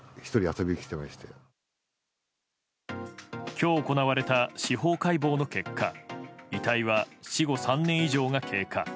今日、行われた司法解剖の結果遺体は死後３年以上が経過。